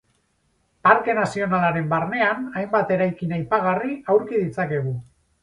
Parke Nazionalaren barnean hainbat eraikin aipagarri aurki ditzakegu.